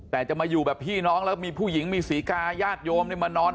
แต่จะมาอยู่แบบพี่น้องแล้วมีผู้หญิงมีศรีกาญาติโยมมานอน